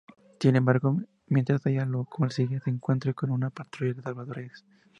Sin embargo, mientras ella lo persigue, se encuentran con una patrulla de Salvadores.